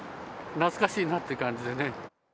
懐かしいなって感じでね。